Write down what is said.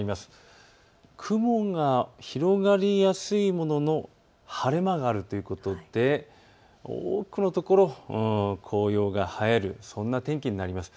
雲が広がりやすいものの晴れ間があるということで多くのところ、紅葉が映える、そんな天気になります。